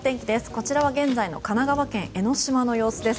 こちらは現在の神奈川県江の島の様子です。